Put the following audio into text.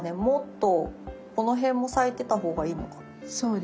もっとこの辺も咲いてた方がいいのかな。